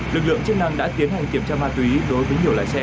lực lượng chức năng đã tiến hành kiểm tra ma túy đối với nhiều lái xe